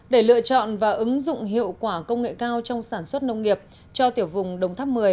để lựa chọn và ứng dụng hiệu quả công nghệ cao trong sản xuất nông nghiệp cho tiểu vùng đồng tháp một mươi